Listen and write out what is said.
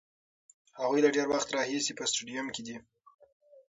هغوی له ډېر وخته راهیسې په سټډیوم کې دي.